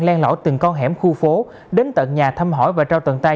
len lỏ từng con hẻm khu phố đến tận nhà thăm hỏi và trao tận tay